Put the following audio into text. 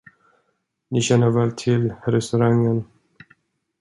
Ni känner väl till restaurangen?